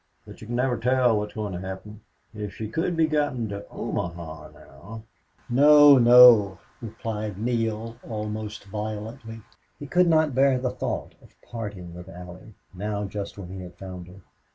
But you can never tell what's going to happen. If she could be gotten to Omaha now " "No no," replied Neale, almost violently. He could not bear the thought of parting with Allie, now just when he had found her.